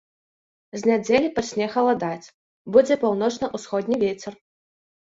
З нядзелі пачне халадаць, будзе паўночна-ўсходні вецер.